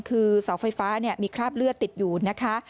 คือเสาไฟฟ้ามีคราบเลือดติดอยู่นะคะ